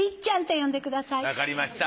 わかりました。